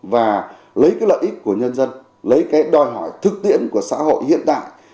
và lấy cái lợi ích của nhân dân lấy cái đòi hỏi thực tiễn của xã hội hiện tại